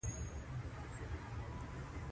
ازادو رسنیو چمتو کول ډېر مهم وو.